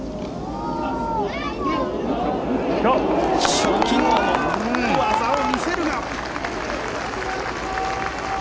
賞金王の技を見せるが。